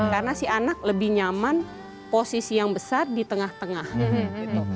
karena si anak lebih nyaman posisi yang besar di tengah tengah gitu